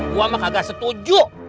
gua sama kagak setuju